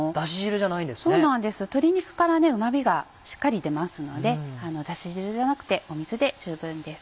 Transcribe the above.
鶏肉からうま味がしっかり出ますのでだし汁じゃなくて水で十分です。